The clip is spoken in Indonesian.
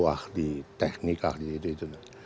ahli teknik ahli itu